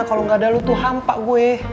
kalo gak ada lo tuh hampa gue